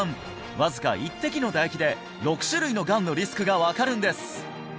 わずか１滴の唾液で６種類のがんのリスクが分かるんです！